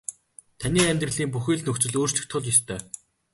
Таны амьдралын бүхий л нөхцөл өөрчлөгдөх л ёстой.